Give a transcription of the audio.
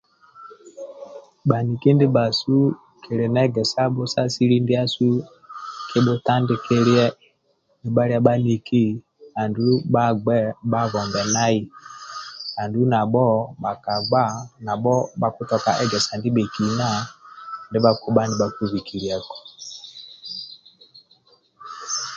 Bhaniki ndibhasu kiki na egesabho sa asili ndiasu kibhutandikilie nibhalia bhaniki andulu bhagbe bhabombe nai andulu nabho bhakagba bhakitoka egesa ndibhekin ndibha bhakibha nibhakibililaku